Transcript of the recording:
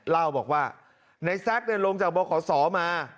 เล่าบอกว่านายแซกเนี่ยลงจากบขศมา